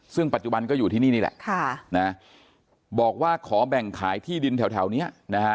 ซึ่งปัจจุบันก็อยู่ที่นี่นี่แหละบอกว่าขอแบ่งขายที่ดินแถวนี้นะฮะ